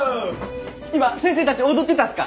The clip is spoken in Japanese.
今先生たち踊ってたすか？